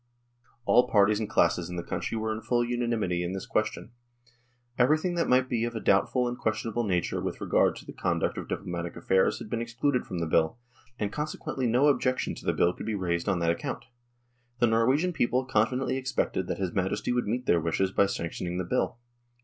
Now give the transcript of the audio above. All parties and classes in the country were in full unanimity in this question. Everything that might be of a doubtful and question able nature with regard to the conduct of diplomatic affairs had been excluded from the Bill, and con sequently no objection to the Bill could be raised on that account. The Norwegian people confidently expected that his Majesty would meet their wishes by sanctioning the Bill.